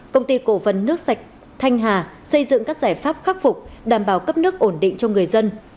công ty cổ phần nước sạch thanh hà xây dựng các giải pháp khắc phục đảm bảo cấp nước ổn định cho người dân